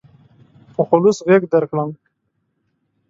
په خلوص غېږ درکړم.